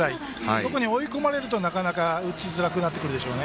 特に追い込まれるとなかなか打ちづらくなるでしょう。